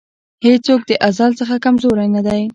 هېڅوک د ازل څخه کمزوری نه دی.